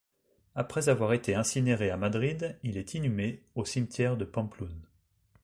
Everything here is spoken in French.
Après avoir été incinéré à Madrid, il est inhumé au cimetière de Pampelune.